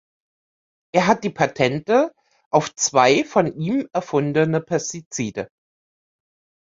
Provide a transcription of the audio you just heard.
Er hat die Patente auf zwei von ihm erfundene Pestizide.